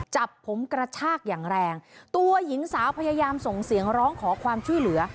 จับผมกระชากอย่างแรงตัวหญิงสาวพยายามส่งเสียงร้องขอความช่วยเหลือ